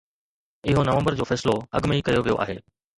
اهو نومبر جو فيصلو اڳ ۾ ئي ڪيو ويو آهي.